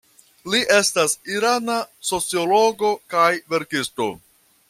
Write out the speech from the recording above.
Li estas irana sociologo kaj verkisto.